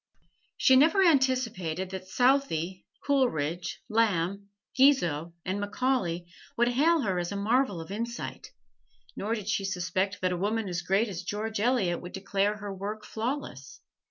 She never anticipated that Southey, Coleridge, Lamb, Guizot and Macaulay would hail her as a marvel of insight, nor did she suspect that a woman as great as George Eliot would declare her work flawless.